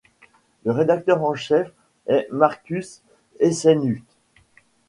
Le rédacteur en chef est Markus Eisenhut.